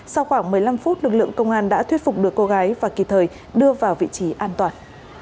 sau khoảng một mươi năm phút lực lượng công an đã thuyết phục được cô gái và kịp thời đưa vào vị trí an toàn